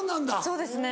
そうですね。